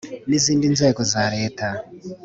n izindi nzego za Leta